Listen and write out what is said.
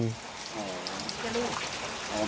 อ๋อมีแต่ลูก